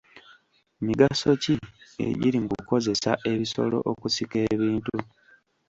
Migaso ki egiri mu kukozesa ebisolo okusika ebintu?